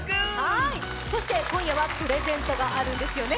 そして今夜はプレゼントがあるんですよね？